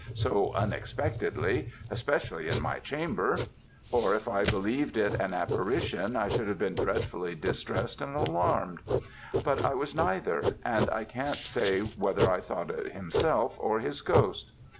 so unexpectedly, especially in my chamber; or if I believed it an apparition, I should have been dreadfully distressed and alarmed; but I was neither; and I can't say whether I thought it himself or his ghost.